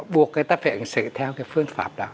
buộc người ta phải ứng xử theo cái phương pháp đó